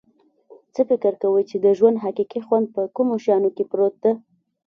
څه فکر کویچې د ژوند حقیقي خوند په کومو شیانو کې پروت ده